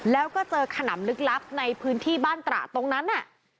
แล้วก็เจอขนำลึกลับในพื้นที่บ้านตระตรงนั้นน่ะ